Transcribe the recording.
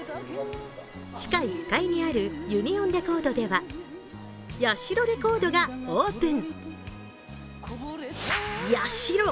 地下１階にあるユニオンレコードでは八代レコードがオープン！